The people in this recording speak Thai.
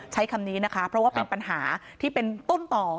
ใช้คำนี้นะคะเพราะว่าเป็นปัญหาที่เป็นต้นต่อ